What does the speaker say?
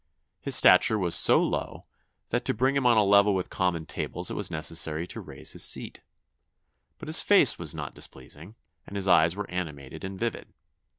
His stature was so low, that to bring him on a level with common tables it was necessary to raise his seat. But his face was not displeasing, and his eyes were animated and vivid....